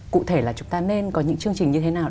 cụ thể là chúng ta nên có những chương trình như thế nào